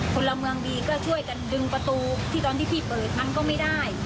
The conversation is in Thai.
คนละเมืองดีก็ช่วยกันดึงประตูที่เริ่มเปิดก็ไม่ได้